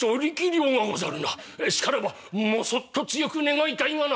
しからばもそっと強く願いたいがな」。